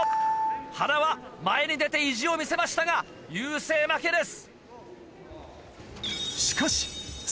塙前に出て意地を見せましたが優勢負けです。